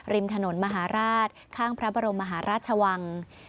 ริมถนนมหาราชข้างพระบรมมหาราชวัง